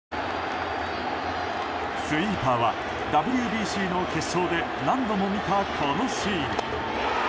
スイーパーは、ＷＢＣの決勝で何度も見たこのシーン。